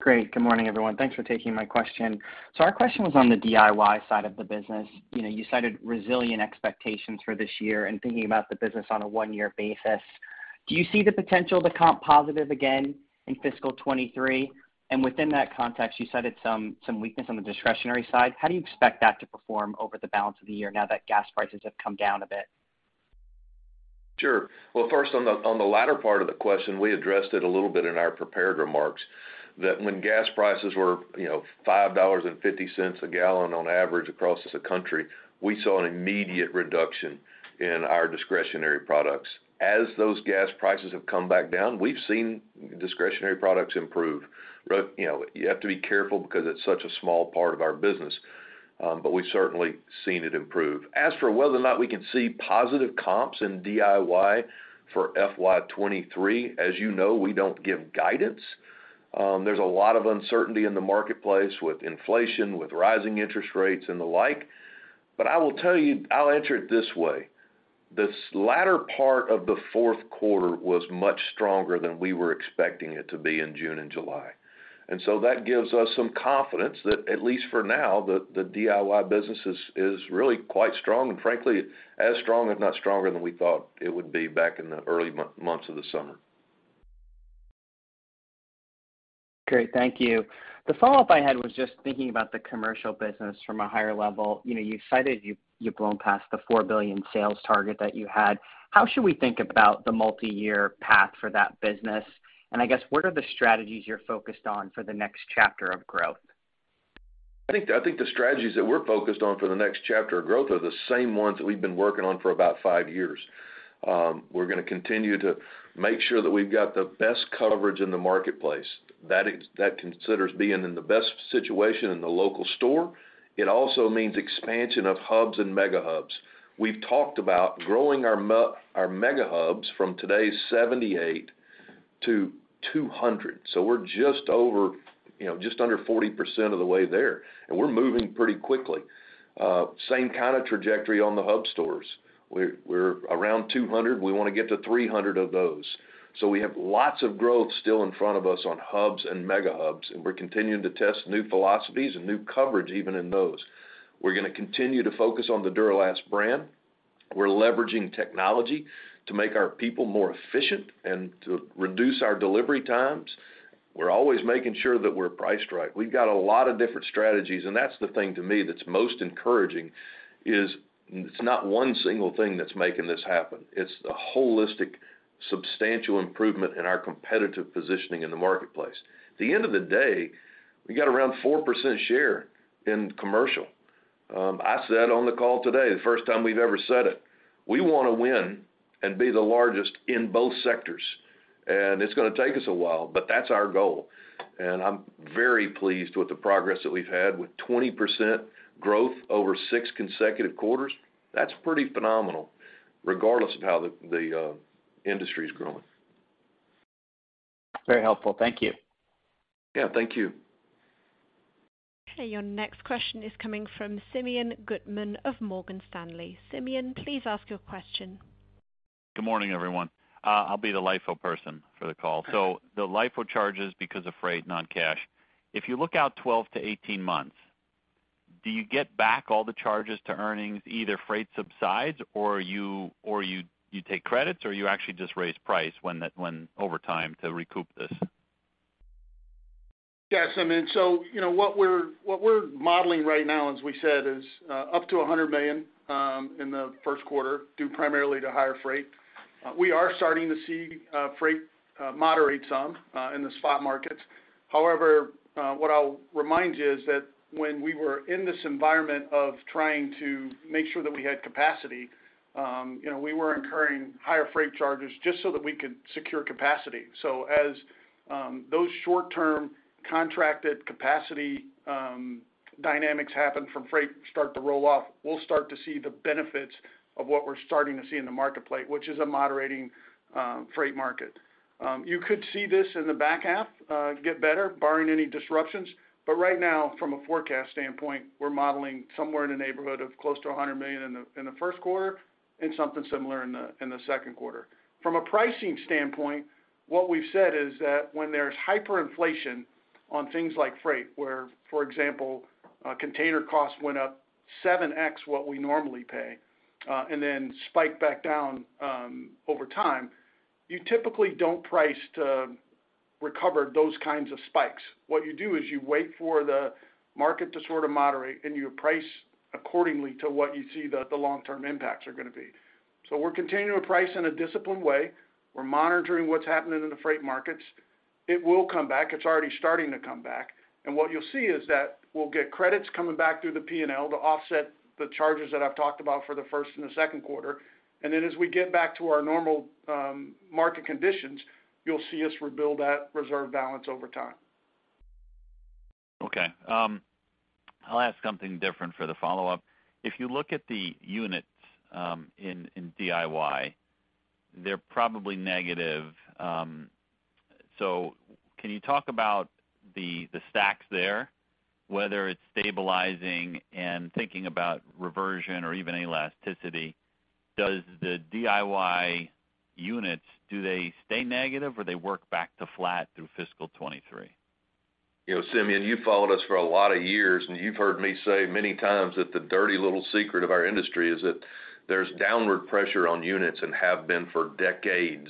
Great. Good morning, everyone. Thanks for taking my question. Our question was on the DIY side of the business. You know, you cited resilient expectations for this year and thinking about the business on a one-year basis. Do you see the potential to comp positive again in fiscal 2023? Within that context, you cited some weakness on the discretionary side. How do you expect that to perform over the balance of the year now that gas prices have come down a bit? Sure. Well, first, on the latter part of the question, we addressed it a little bit in our prepared remarks, that when gas prices were, you know, $5.50 a gallon on average across the country, we saw an immediate reduction in our discretionary products. As those gas prices have come back down, we've seen discretionary products improve. But, you know, you have to be careful because it's such a small part of our business, but we've certainly seen it improve. As for whether or not we can see positive comps in DIY for FY 2023, as you know, we don't give guidance. There's a lot of uncertainty in the marketplace with inflation, with rising interest rates and the like. I will tell you, I'll answer it this way, this latter part of the fourth quarter was much stronger than we were expecting it to be in June and July. That gives us some confidence that, at least for now, the DIY business is really quite strong, and frankly, as strong, if not stronger than we thought it would be back in the early months of the summer. Great. Thank you. The follow-up I had was just thinking about the commercial business from a higher level. You know, you've cited, you've blown past the $4 billion sales target that you had. How should we think about the multi-year path for that business? I guess, what are the strategies you're focused on for the next chapter of growth? I think the strategies that we're focused on for the next chapter of growth are the same ones that we've been working on for about five years. We're gonna continue to make sure that we've got the best coverage in the marketplace. That considers being in the best situation in the local store. It also means expansion of hubs and mega hubs. We've talked about growing our mega hubs from today's 78 to 200. We're just over, you know, just under 40% of the way there, and we're moving pretty quickly. Same kind of trajectory on the hub stores. We're around 200. We wanna get to 300 of those. We have lots of growth still in front of us on hubs and Mega Hubs, and we're continuing to test new philosophies and new coverage even in those. We're gonna continue to focus on the Duralast brand. We're leveraging technology to make our people more efficient and to reduce our delivery times. We're always making sure that we're priced right. We've got a lot of different strategies, and that's the thing to me that's most encouraging, is it's not one single thing that's making this happen. It's a holistic, substantial improvement in our competitive positioning in the marketplace. At the end of the day, we got around 4% share in commercial. I said on the call today, the first time we've ever said it, we wanna win and be the largest in both sectors. It's gonna take us a while, but that's our goal. I'm very pleased with the progress that we've had with 20% growth over six consecutive quarters. That's pretty phenomenal regardless of how the industry is growing. Very helpful. Thank you. Yeah, thank you. Okay. Your next question is coming from Simeon Gutman of Morgan Stanley. Simeon, please ask your question. Good morning, everyone. I'll be the LIFO person for the call. The LIFO charges because of freight, non-cash. If you look out 12-18 months, do you get back all the charges to earnings, either freight subsides or you take credits, or you actually just raise price when over time to recoup this? Yes, I mean, you know, what we're modeling right now, as we said, is up to $100 million in the first quarter, due primarily to higher freight. We are starting to see freight moderate some in the spot markets. However, what I'll remind you is that when we were in this environment of trying to make sure that we had capacity, you know, we were incurring higher freight charges just so that we could secure capacity. So as those short-term contracted capacity dynamics happen from freight start to roll off, we'll start to see the benefits of what we're starting to see in the marketplace, which is a moderating freight market. You could see this in the back half get better barring any disruptions. But right now, from a forecast standpoint, we're modeling somewhere in the neighborhood of close to $100 million in the first quarter and something similar in the second quarter. From a pricing standpoint, what we've said is that when there's hyperinflation on things like freight, where, for example, a container cost went up 7x what we normally pay, and then spiked back down, over time, you typically don't price to recover those kinds of spikes. What you do is you wait for the market to sort of moderate, and you price accordingly to what you see the long-term impacts are gonna be. We're continuing to price in a disciplined way. We're monitoring what's happening in the freight markets. It will come back. It's already starting to come back. What you'll see is that we'll get credits coming back through the P&L to offset the charges that I've talked about for the first and the second quarter. As we get back to our normal market conditions, you'll see us rebuild that reserve balance over time. I'll ask something different for the follow-up. If you look at the units in DIY, they're probably negative. Can you talk about the stacks there, whether it's stabilizing and thinking about reversion or even elasticity, do the DIY units stay negative, or do they work back to flat through fiscal 2023? You know, Simeon, you followed us for a lot of years, and you've heard me say many times that the dirty little secret of our industry is that there's downward pressure on units and have been for decades.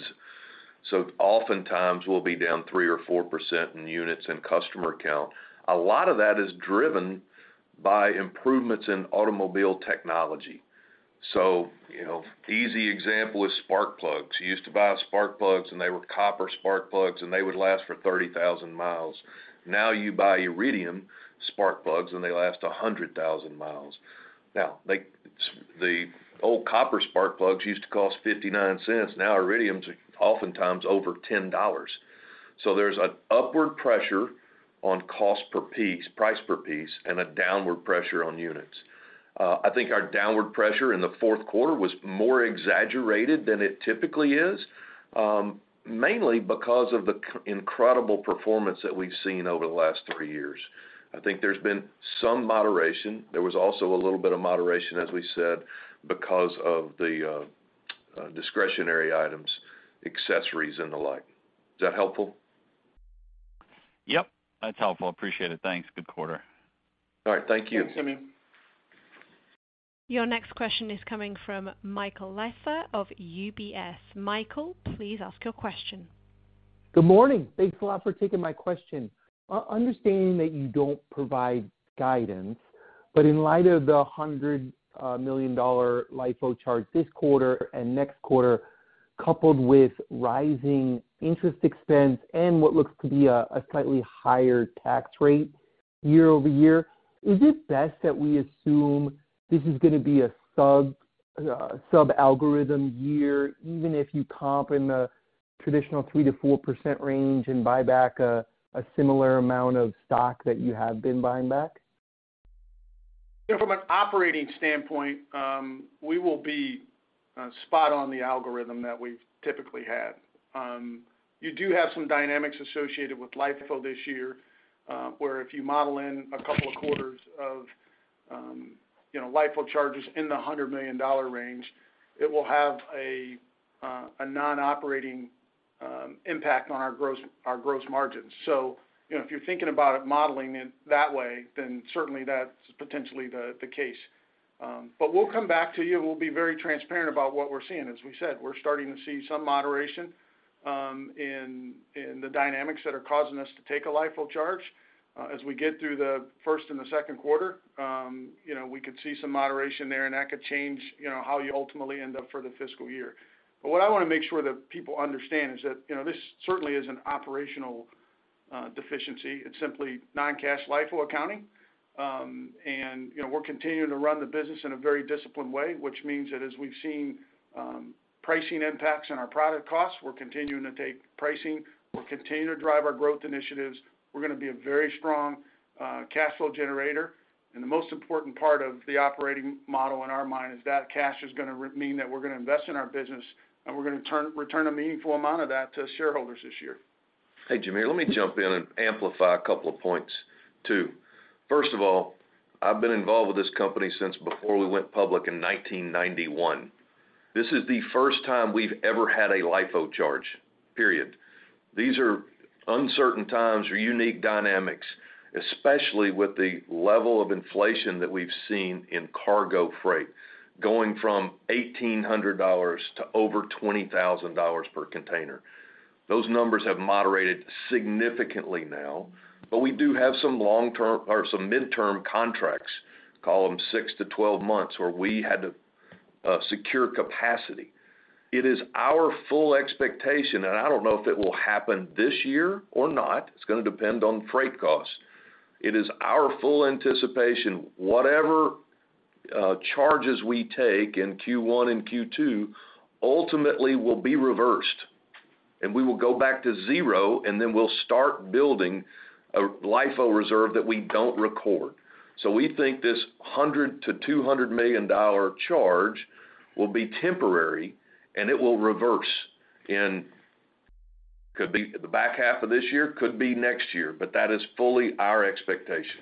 Oftentimes we'll be down 3% or 4% in units and customer count. A lot of that is driven by improvements in automobile technology. You know, easy example is spark plugs. You used to buy spark plugs, and they were copper spark plugs, and they would last for 30,000 miles. Now you buy iridium spark plugs and they last 100,000 miles. Now, like, the old copper spark plugs used to cost $0.59. Now Iridiums are oftentimes over $10. There's an upward pressure on cost per piece, price per piece and a downward pressure on units. I think our downward pressure in the fourth quarter was more exaggerated than it typically is, mainly because of the incredible performance that we've seen over the last three years. I think there's been some moderation. There was also a little bit of moderation, as we said, because of the discretionary items, accessories and the like. Is that helpful? Yep, that's helpful. Appreciate it. Thanks. Good quarter. All right. Thank you. Thanks, Simeon. Your next question is coming from Michael Lasser of UBS. Michael, please ask your question. Good morning. Thanks a lot for taking my question. Understanding that you don't provide guidance, but in light of the $100 million LIFO charge this quarter and next quarter, coupled with rising interest expense and what looks to be a slightly higher tax rate year-over-year, is it best that we assume this is gonna be a sub-algorithm year, even if you comp in the traditional 3%-4% range and buy back a similar amount of stock that you have been buying back? You know, from an operating standpoint, we will be spot on the algorithm that we've typically had. You do have some dynamics associated with LIFO this year, where if you model in a couple of quarters of you know LIFO charges in the $100 million range, it will have a non-operating impact on our gross margins. You know, if you're thinking about it, modeling it that way, then certainly that's potentially the case. We'll come back to you, and we'll be very transparent about what we're seeing. As we said, we're starting to see some moderation in the dynamics that are causing us to take a LIFO charge. As we get through the first and the second quarter, you know, we could see some moderation there, and that could change, you know, how you ultimately end up for the fiscal year. What I wanna make sure that people understand is that, you know, this certainly is an operational deficiency. It's simply non-cash LIFO accounting. We're continuing to run the business in a very disciplined way, which means that as we've seen, pricing impacts on our product costs, we're continuing to take pricing. We're continuing to drive our growth initiatives. We're gonna be a very strong cash flow generator. The most important part of the operating model in our mind is that cash is gonna mean that we're gonna invest in our business, and we're gonna return a meaningful amount of that to shareholders this year. Hey, Jimmy, let me jump in and amplify a couple of points, too. First of all, I've been involved with this company since before we went public in 1991. This is the first time we've ever had a LIFO charge, period. These are uncertain times or unique dynamics, especially with the level of inflation that we've seen in cargo freight going from $1,800 to over $20,000 per container. Those numbers have moderated significantly now, but we do have some long-term or some midterm contracts, call them six to 12 months, where we had to secure capacity. It is our full expectation, and I don't know if it will happen this year or not. It's gonna depend on freight costs. It is our full anticipation, whatever charges we take in Q1 and Q2 ultimately will be reversed, and we will go back to zero, and then we'll start building a LIFO reserve that we don't record. We think this $100-$200 million charge will be temporary, and it will reverse. Could be the back half of this year, could be next year, but that is fully our expectation.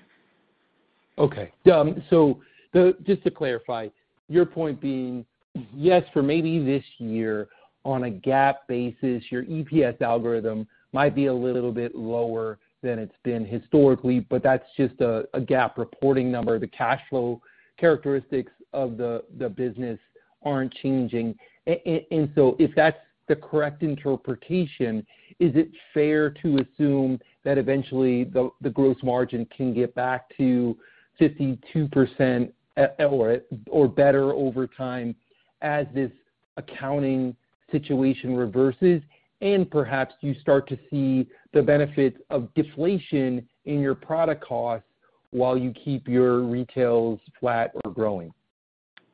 Okay. Just to clarify your point being, yes, for maybe this year on a GAAP basis, your EPS algorithm might be a little bit lower than it's been historically, but that's just a GAAP reporting number. The cash flow characteristics of the business aren't changing. If that's the correct interpretation, is it fair to assume that eventually the gross margin can get back to 52% at par or better over time as this accounting situation reverses and perhaps you start to see the benefits of deflation in your product costs while you keep your retails flat or growing?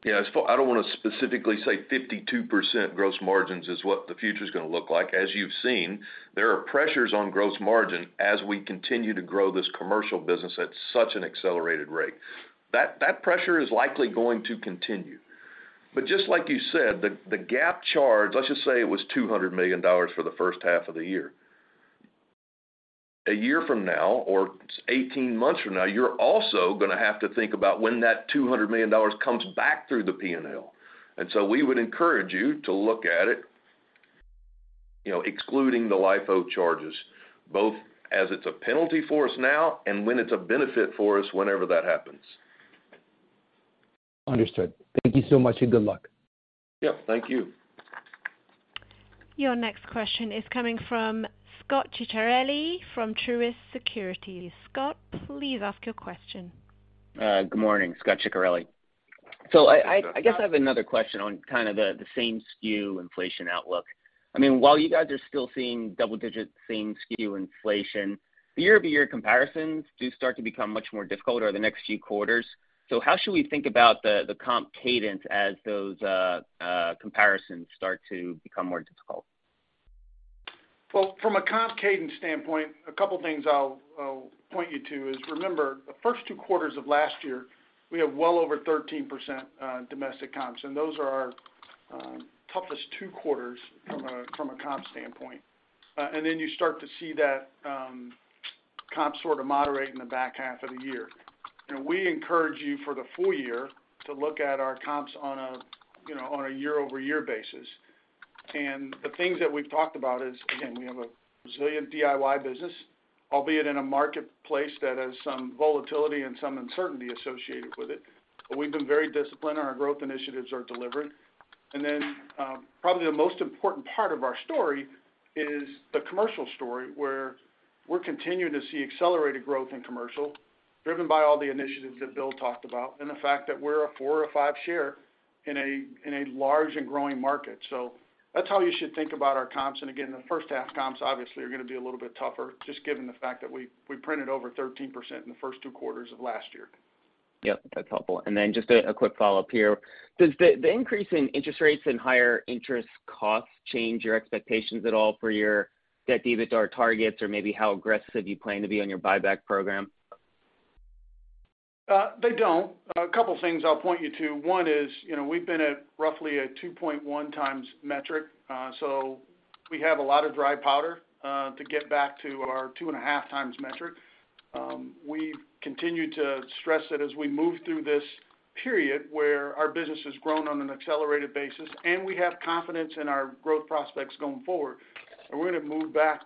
Yeah. I don't wanna specifically say 52% gross margins is what the future's gonna look like. As you've seen, there are pressures on gross margin as we continue to grow this commercial business at such an accelerated rate. That pressure is likely going to continue. Just like you said, the GAAP charge, let's just say it was $200 million for the first half of the year. A year from now or 18 months from now, you're also gonna have to think about when that $200 million comes back through the P&L. We would encourage you to look at it, you know, excluding the LIFO charges, both as it's a penalty for us now and when it's a benefit for us whenever that happens. Understood. Thank you so much, and good luck. Yep, thank you. Your next question is coming from Scot Ciccarelli from Truist Securities. Scott, please ask your question. Good morning, Scot Ciccarelli. Good morning, Scot. I guess I have another question on kind of the same SKU inflation outlook. I mean, while you guys are still seeing double-digit same SKU inflation, the year-over-year comparisons do start to become much more difficult over the next few quarters. How should we think about the comp cadence as those comparisons start to become more difficult? Well, from a comp cadence standpoint, a couple things I'll point you to is, remember, the first two quarters of last year, we have well over 13% domestic comps, and those are our toughest two quarters from a comp standpoint. Then you start to see that comps sort of moderate in the back half of the year. We encourage you for the full year to look at our comps on a, you know, on a year-over-year basis. The things that we've talked about is, again, we have a resilient DIY business, albeit in a marketplace that has some volatility and some uncertainty associated with it. We've been very disciplined, and our growth initiatives are delivering. Probably the most important part of our story is the commercial story, where we're continuing to see accelerated growth in commercial, driven by all the initiatives that Bill talked about, and the fact that we're a 4%-5% share in a large and growing market. That's how you should think about our comps. Again, the first half comps obviously are gonna be a little bit tougher just given the fact that we printed over 13% in the first two quarters of last year. Yep. That's helpful. Just a quick follow-up here. Does the increase in interest rates and higher interest costs change your expectations at all for your debt-to-EBITDA targets or maybe how aggressive you plan to be on your buyback program? They don't. A couple things I'll point you to. One is, you know, we've been at roughly a 2.1x metric, so we have a lot of dry powder to get back to our 2.5x metric. We've continued to stress that as we move through this period where our business has grown on an accelerated basis and we have confidence in our growth prospects going forward, and we're gonna move back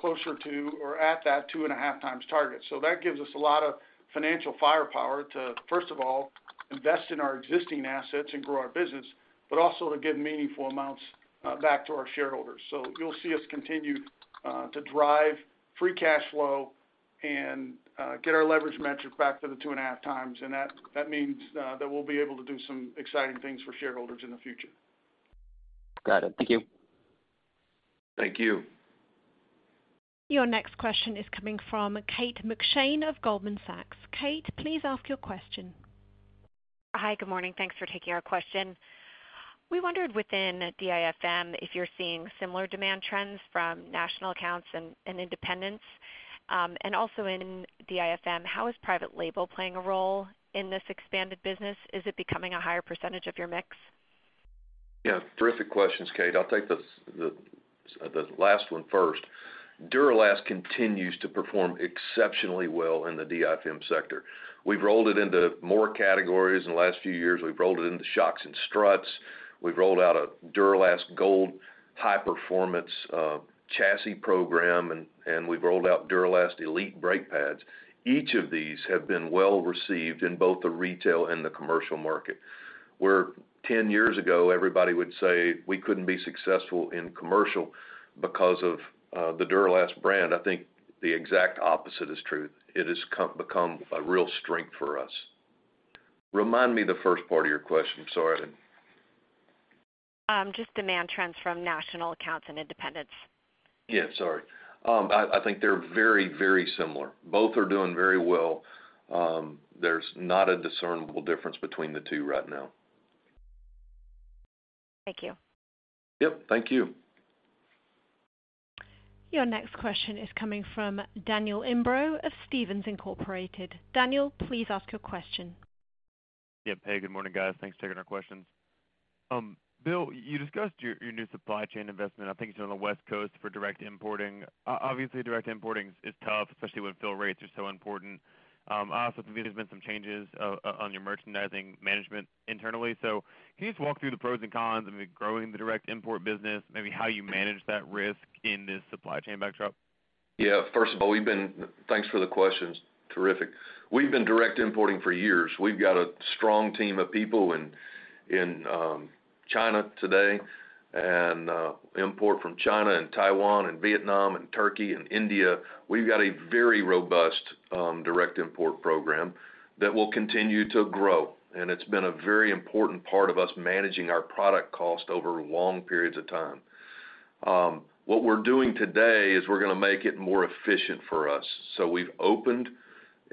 closer to or at that 2.5x target. That gives us a lot of financial firepower to, first of all, invest in our existing assets and grow our business, but also to give meaningful amounts back to our shareholders. You'll see us continue to drive free cash flow and get our leverage metric back to the 2.5x. That means that we'll be able to do some exciting things for shareholders in the future. Got it. Thank you. Thank you. Your next question is coming from Kate McShane of Goldman Sachs. Kate, please ask your question. Hi. Good morning. Thanks for taking our question. We wondered within DIFM if you're seeing similar demand trends from national accounts and independents. Also in DIFM, how is private label playing a role in this expanded business? Is it becoming a higher percentage of your mix? Yeah, terrific questions, Kate. I'll take the last one first. Duralast continues to perform exceptionally well in the DIFM sector. We've rolled it into more categories in the last few years. We've rolled it into shocks and struts. We've rolled out a Duralast Gold high-performance chassis program, and we've rolled out Duralast Elite brake pads. Each of these have been well received in both the retail and the commercial market. Where 10 years ago, everybody would say we couldn't be successful in commercial because of the Duralast brand, I think the exact opposite is true. It has become a real strength for us. Remind me the first part of your question. Sorry, I didn't. Just demand trends from national accounts and independents. Yeah, sorry. I think they're very, very similar. Both are doing very well. There's not a discernible difference between the two right now. Thank you. Yep, thank you. Your next question is coming from Daniel Imbro of Stephens Inc. Daniel, please ask your question. Yeah, hey, good morning, guys. Thanks for taking our questions. Bill, you discussed your new supply chain investment. I think it's on the West Coast for direct importing. Obviously, direct importing is tough, especially when fill rates are so important. I also think there's been some changes on your merchandising management internally. Can you just walk through the pros and cons of growing the direct import business, maybe how you manage that risk in this supply chain backdrop? Yeah. First of all, thanks for the questions. Terrific. We've been direct importing for years. We've got a strong team of people in China today and import from China and Taiwan and Vietnam and Turkey and India. We've got a very robust direct import program that will continue to grow, and it's been a very important part of us managing our product cost over long periods of time. What we're doing today is we're gonna make it more efficient for us.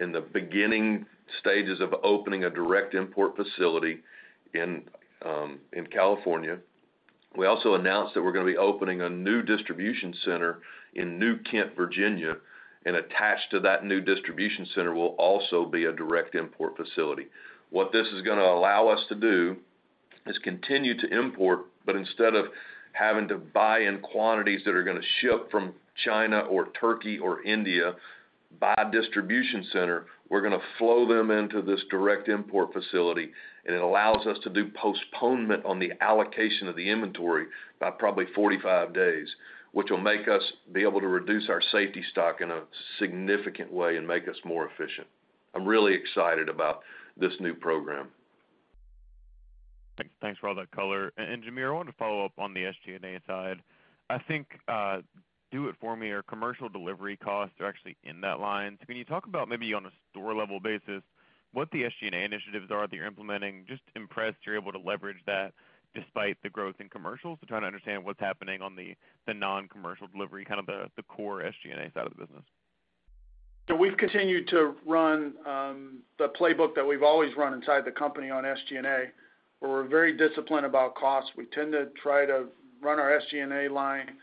In the beginning stages of opening a direct import facility in California. We also announced that we're gonna be opening a new distribution center in New Kent, Virginia, and attached to that new distribution center will also be a direct import facility. What this is gonna allow us to do is continue to import, but instead of having to buy in quantities that are gonna ship from China or Turkey or India, by distribution center, we're gonna flow them into this direct import facility, and it allows us to do postponement on the allocation of the inventory by probably 45 days, which will make us be able to reduce our safety stock in a significant way and make us more efficient. I'm really excited about this new program. Thanks. Thanks for all that color. Jamere, I wanted to follow up on the SG&A side. I think, do it for me, our commercial delivery costs are actually in that line. Can you talk about maybe on a store level basis, what the SG&A initiatives are that you're implementing? Just impressed you're able to leverage that despite the growth in commercial. Trying to understand what's happening on the non-commercial delivery, kind of the core SG&A side of the business. We've continued to run the playbook that we've always run inside the company on SG&A, where we're very disciplined about cost. We tend to try to run our SG&A line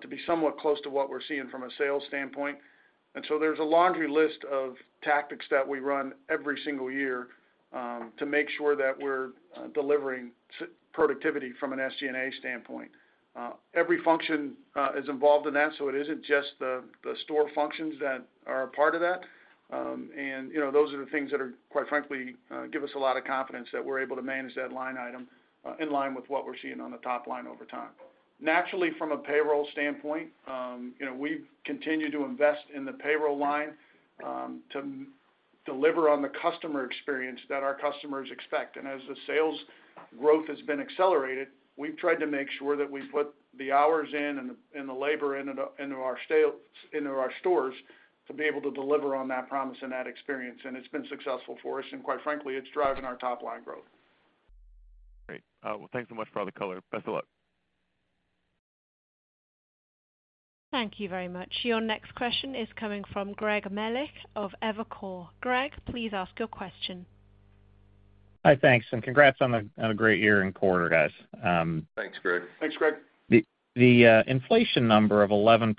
to be somewhat close to what we're seeing from a sales standpoint. There's a laundry list of tactics that we run every single year to make sure that we're delivering productivity from an SG&A standpoint. Every function is involved in that, so it isn't just the store functions that are a part of that. You know, those are the things that, quite frankly, give us a lot of confidence that we're able to manage that line item in line with what we're seeing on the top line over time. Naturally, from a payroll standpoint, you know, we've continued to invest in the payroll line to deliver on the customer experience that our customers expect. As the sales growth has been accelerated, we've tried to make sure that we put the hours in and the labor into our sales, into our stores to be able to deliver on that promise and that experience. It's been successful for us, and quite frankly, it's driving our top line growth. Great. Well, thanks so much for all the color. Best of luck. Thank you very much. Your next question is coming from Greg Melich of Evercore. Greg, please ask your question. Hi, thanks, and congrats on a great year and quarter, guys. Thanks, Greg. Thanks, Greg. The inflation number of 11%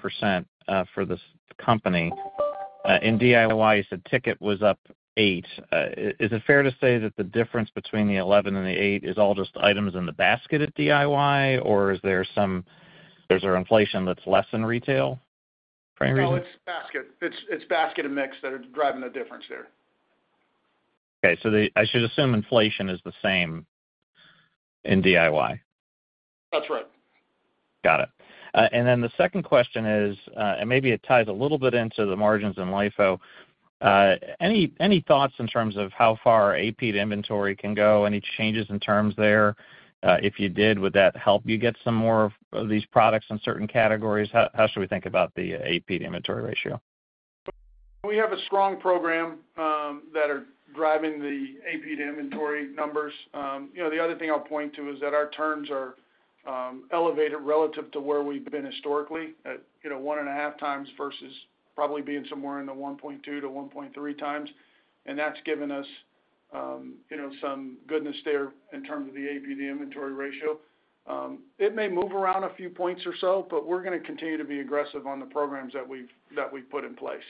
for this company in DIY, you said ticket was up 8%. Is it fair to say that the difference between the 11 and the eight is all just items in the basket at DIY, or is there some inflation that's less in retail for any reason? No, it's basket. It's basket and mix that are driving the difference there. I should assume inflation is the same in DIY. That's right. Got it. The second question is, maybe it ties a little bit into the margins in LIFO. Any thoughts in terms of how far AP to inventory can go? Any changes in terms there? If you did, would that help you get some more of these products in certain categories? How should we think about the AP to inventory ratio? We have a strong program that are driving the AP to inventory numbers. You know, the other thing I'll point to is that our terms are elevated relative to where we've been historically at, you know, 1.5x versus probably being somewhere in the 1.2x-1.3x. That's given us, you know, some goodness there in terms of the AP to inventory ratio. It may move around a few points or so, but we're gonna continue to be aggressive on the programs that we've put in place.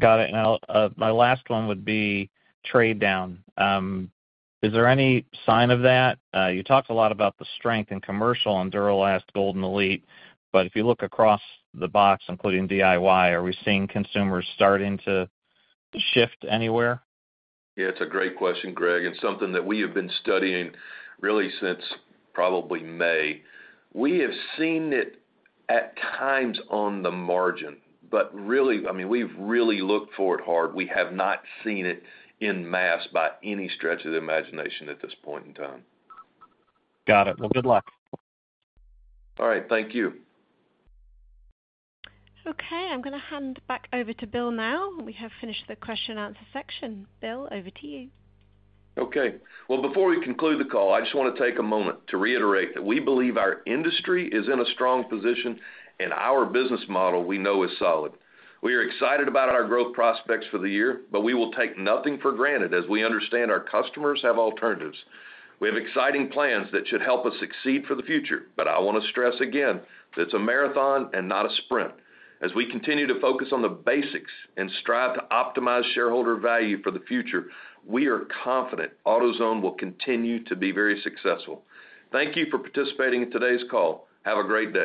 Got it. Now, my last one would be trade down. Is there any sign of that? You talked a lot about the strength in commercial in Duralast Gold and Duralast Elite, but if you look across the board, including DIY, are we seeing consumers starting to shift anywhere? Yeah, it's a great question, Greg, and something that we have been studying really since probably May. We have seen it at times on the margin, but really, I mean, we've really looked for it hard. We have not seen it en masse by any stretch of the imagination at this point in time. Got it. Well, good luck. All right. Thank you. Okay, I'm gonna hand back over to Bill now. We have finished the Q&A section. Bill, over to you. Okay. Well, before we conclude the call, I just wanna take a moment to reiterate that we believe our industry is in a strong position and our business model we know is solid. We are excited about our growth prospects for the year, but we will take nothing for granted as we understand our customers have alternatives. We have exciting plans that should help us succeed for the future, but I wanna stress again that it's a marathon and not a sprint. As we continue to focus on the basics and strive to optimize shareholder value for the future, we are confident AutoZone will continue to be very successful. Thank you for participating in today's call. Have a great day.